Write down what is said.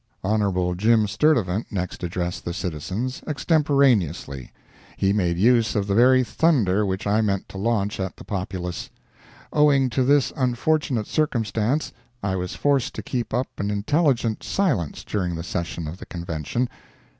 Hon. Jim Sturtevant next addressed the citizens, extemporaneously. He made use of the very thunder which I meant to launch at the populace. Owing to this unfortunate circumstance, I was forced to keep up an intelligent silence during the session of the convention...